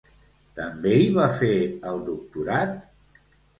També hi va fer el doctorat?